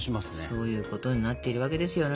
そういうことになってるわけですよ